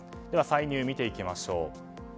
歳入を見ていきましょう。